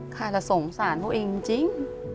ค่าละสงสารตัวเองจริง